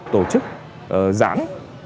tổ chức giãn